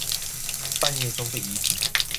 半夜中被移平